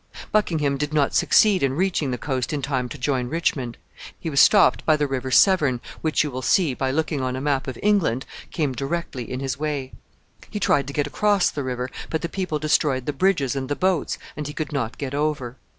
Buckingham did not succeed in reaching the coast in time to join Richmond. He was stopped by the River Severn, which you will see, by looking on a map of England, came directly in his way. He tried to get across the river, but the people destroyed the bridges and the boats, and he could not get over.